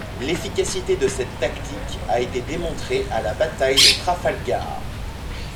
L'efficacité de cette tactique a été démontrée à la bataille de Trafalgar.